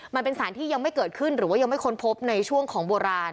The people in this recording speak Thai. มันเป็นสารที่ยังไม่เกิดขึ้นหรือว่ายังไม่ค้นพบในช่วงของโบราณ